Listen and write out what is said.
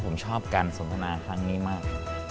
ผมชอบการสนทนาครั้งนี้มาก